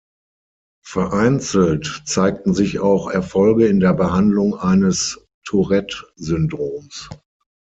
Vereinzelt zeigten sich auch Erfolge in der Behandlung eines Tourette-Syndroms.